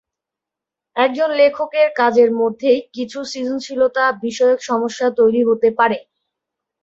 একজন লেখকের কাজের মধ্যেই কিছু সৃজনশীলতা-বিষয়ক সমস্যা তৈরি হতে পারে।